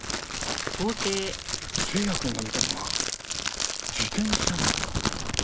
星也くんが見たのは自転車の？